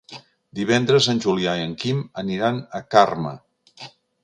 Divendres en Julià i en Quim aniran a Carme.